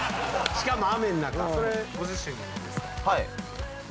しかも雨ん中それご自身のですか？